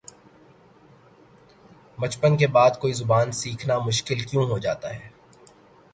بچپن کے بعد کوئی زبان سیکھنا مشکل کیوں ہوجاتا ہے